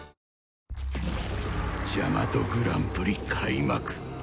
ジャマトグランプリ開幕